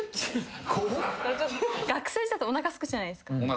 学生時代っておなかすくじゃないですか。